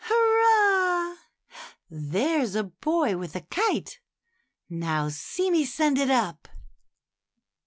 Hurrah ! there's a boy with a kite. Now see me send it up."